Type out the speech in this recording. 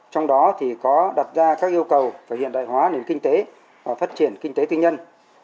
trong đó thì có đặt ra các yêu cầu phải hiện đại hóa nền kinh tế và phát triển kinh tế tư nhân